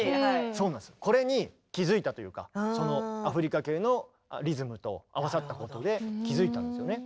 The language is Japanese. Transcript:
これに気付いたというかそのアフリカ系のリズムと合わさったことで気付いたんですよね。